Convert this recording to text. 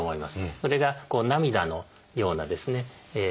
それが涙のようなですね。